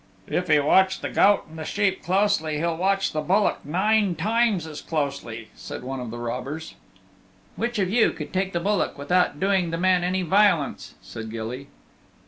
"If he watched the goat and the sheep closely he'll watch the bullock nine times as closely," said one of the robbers. "Which of you could take the bullock without doing the man any violence?" said Gilly.